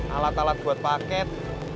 alat alat buat paket